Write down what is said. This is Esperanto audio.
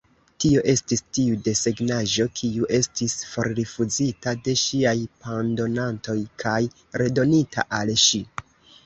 Tio estis tiu desegnaĵo, kiu estis forrifuzita de ŝiaj pandonantoj kaj redonita al ŝi.